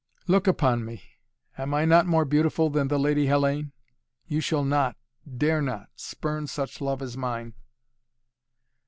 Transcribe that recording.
"Look upon me! Am I not more beautiful than the Lady Hellayne? You shall not dare not spurn such love as mine!"